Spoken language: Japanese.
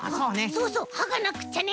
そうそう！はがなくっちゃね。